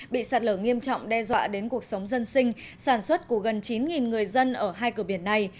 bị sạt lở nghiêm trọng đe dọa đến cuộc sống dân sinh sản xuất của gần chín người dân ở hai cửa biển này